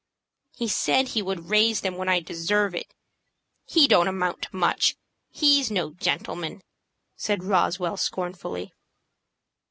"He said he would raise them when I deserve it. He don't amount to much. He's no gentleman," said Roswell, scornfully.